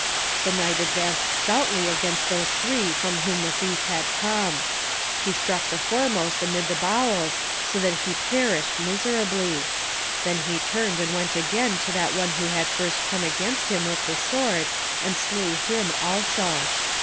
The knight advanced stoutly against those three from whom the thief had come. He struck the foremost amidst the bowels, so that he perished miserably. Then he turned and went again to that one who had first come against him with the sword, and slew him also.